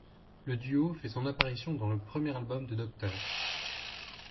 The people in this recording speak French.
Le duo fait son apparition dans le premier album de Dr.